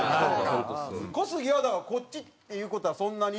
小杉はこっちっていう事はそんなに？